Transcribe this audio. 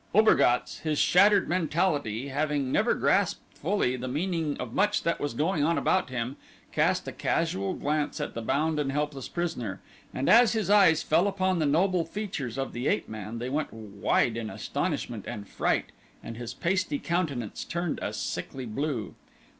Obergatz, his shattered mentality having never grasped fully the meaning of much that was going on about him, cast a casual glance at the bound and helpless prisoner, and as his eyes fell upon the noble features of the ape man, they went wide in astonishment and fright, and his pasty countenance turned a sickly blue.